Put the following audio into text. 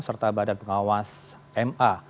serta badan pengawas ma